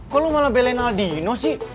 kok lu malah belain aladino sih